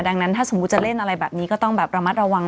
ดังนั้นถ้าสมมุติจะเล่นอะไรแบบนี้ก็ต้องแบบระมัดระวัง